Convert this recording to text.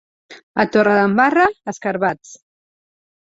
A Torredembarra, escarabats.